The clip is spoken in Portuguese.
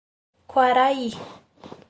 Quaraí